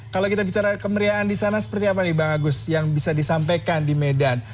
kalau kita bicara kemeriahan di sana seperti apa nih bang agus yang bisa disampaikan di medan